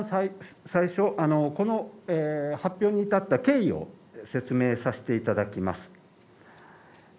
この発表に至った経緯を説明させていただきます。